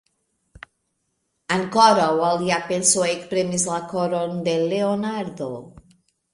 Ankoraŭ alia penso ekpremis la koron de Leonardo.